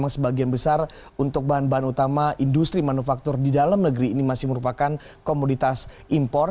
sebagian besar untuk bahan bahan utama industri manufaktur di dalam negeri ini masih merupakan komoditas impor